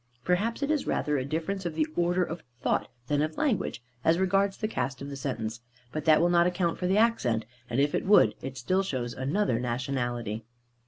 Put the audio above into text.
Perhaps it is rather a difference of the order of thought than of language, as regards the cast of the sentence; but that will not account for the accent; and if it would, it still shows another nationality.